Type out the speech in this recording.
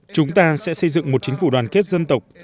chúng ta sẽ xây dựng một chính phủ đoàn kết dân tộc